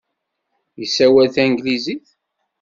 Yessawal tanglizit?